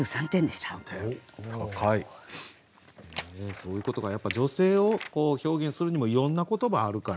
そういうことかやっぱ女性を表現するにもいろんな言葉あるから。